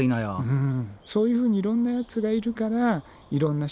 うん。